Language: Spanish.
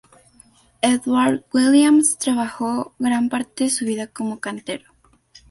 Edward Williams trabajó gran parte de su vida como cantero.